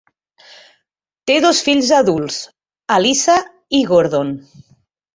Té dos fills adults, Alissa i Gordon.